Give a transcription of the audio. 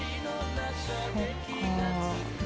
そっかぁ。